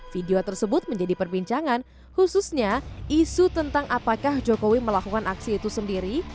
video tersebut menjadi perbincangan khususnya isu tentang apakah jokowi melakukan aksi itu sendiri